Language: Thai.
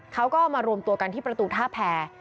เขาก็มารวมตัวกันที่ประตูท่าแพร